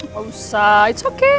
gak usah it's okay